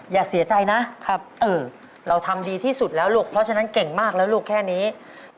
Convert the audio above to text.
อย่าเสียใจนะครับเออเราทำดีที่สุดแล้วลูกเพราะฉะนั้นเก่งมากแล้วลูกแค่นี้